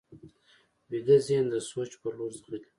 ویده ذهن د سوچ پر لور ځغلي